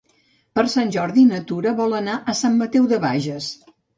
Per Sant Jordi na Tura vol anar a Sant Mateu de Bages.